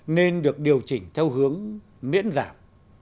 nên được điều chỉnh theo hướng miễn giảm